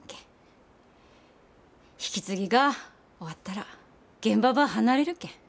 引き継ぎが終わったら現場ば離れるけん。